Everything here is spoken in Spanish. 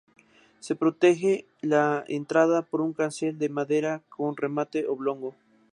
Se protege la entrada por un cancel de madera con remate oblongo.